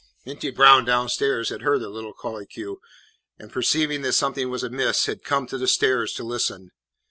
Minty Brown downstairs had heard the little colloquy, and, perceiving that something was amiss, had come to the stairs to listen.